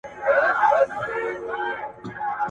په هوا کي پاچهي وه د بازانو `